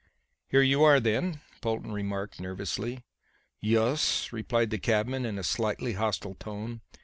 "Here you are, then," Polton remarked nervously. "Yus," replied the cabman in a slightly hostile tone.